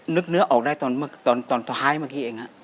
นึกเนื้อออกได้ตอนท้ายเมื่อกี้เองฮะ